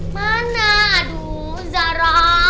mana aduh zara